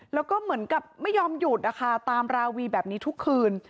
แล้วก็เหมือนกับไม่ยอมหยุดนะคะตามราวีแบบนี้ทุกคืน